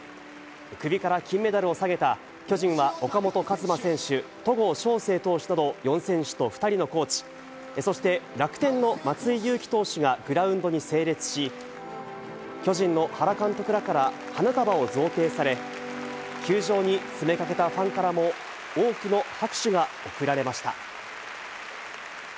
首から金メダルを提げた、巨人は岡本和真選手、戸郷翔征投手との４選手と２人のコーチ、そして楽天の松井裕樹投手がグラウンドに整列し、巨人の原監督らから花束を贈呈され、球場に詰めかけたファンからも、多くの拍手が送られました。